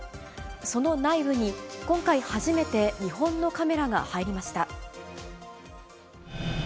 その内部に今回初めて、日本のカメラが入りました。